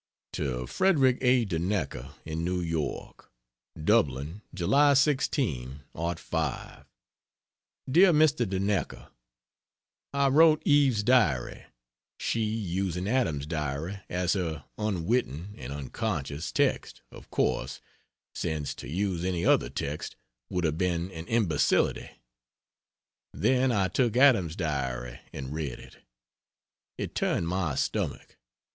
To Frederick A. Duneka, in New York: DUBLIN, July 16, '05. DEAR MR. DUNEKA, I wrote Eve's Diary, she using Adam's Diary as her (unwitting and unconscious) text, of course, since to use any other text would have been an imbecility then I took Adam's Diary and read it. It turned my stomach.